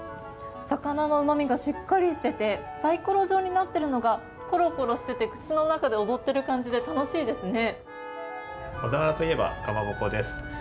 魚のうまみがしっかりしててサイコロ状になっているのがコロコロしていて口の中で踊っている感じで楽しいですね。